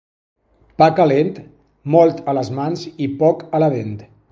Pa calent, molt a les mans i poc a la dent.